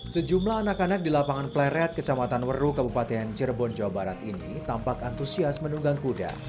sejumlah anak anak di lapangan pleret kecamatan weru kabupaten cirebon jawa barat ini tampak antusias menunggang kuda